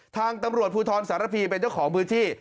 ทางตำรวจภูทรสารพีเป็นเจ้าของพื้นที่